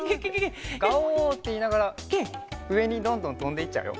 「ガオー！」っていいながらうえにどんどんとんでいっちゃうよ。